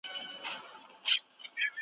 که د يوې نوم جميله وي او د بلي نوم سليمه وي.